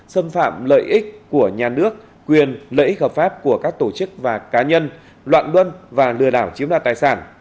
xâm phạm lợi ích của nhà nước quyền lợi ích hợp pháp của các tổ chức và cá nhân loạn luân và lừa đảo chiếm đoạt tài sản